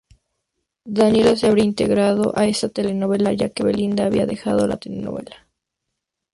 Daniela se había integrado a esta telenovela ya que Belinda había dejado la telenovela.